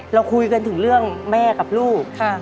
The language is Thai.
เราคุยกันถึงเรื่องแม่กับลูก